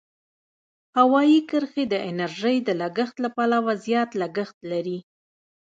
هوایي کرښې د انرژۍ د لګښت له پلوه زیات لګښت لري.